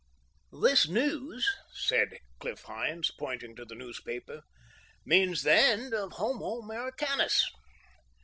] "This news," said Cliff Hynes, pointing to the newspaper, "means the end of homo Americanus."